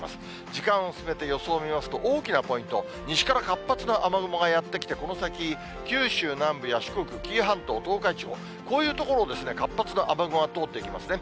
時間を進めて予想を見ますと、大きなポイント、西から活発な雨雲がやって来て、この先、九州南部や四国、紀伊半島、東海地方、こういう所を活発な雨雲が通っていきますね。